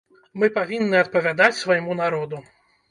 Мы павінны адпавядаць свайму народу.